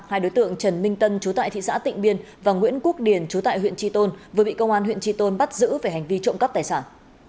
hai đối tượng trần minh tân chú tại thị xã tịnh biên và nguyễn quốc điền chú tại huyện tri tôn vừa bị công an huyện tri tôn bắt giữ về hành vi trộm cắp tài sản